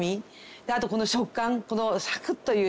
あとこの食感このサクッという食感がね